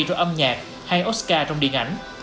trong âm nhạc hay oscar trong điện ảnh